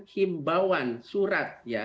himbauan surat ya